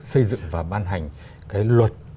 xây dựng và ban hành cái luật